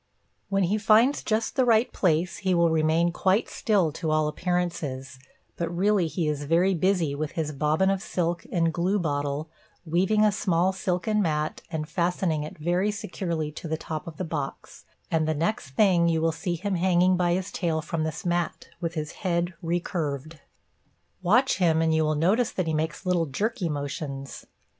When he finds just the right place, he will remain quite still to all appearances, but really he is very busy with his bobbin of silk and glue bottle weaving a small silken mat and fastening it very securely to the top of the box, and the next thing you will see him hanging by his tail from this mat, with his head recurved. Watch him and you will notice that he makes little jerky motions.